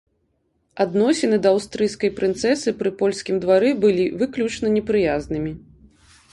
Адносіны да аўстрыйскай прынцэсы пры польскім двары былі выключна непрыязнымі.